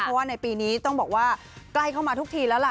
เพราะว่าในปีนี้ต้องบอกว่าใกล้เข้ามาทุกทีแล้วล่ะ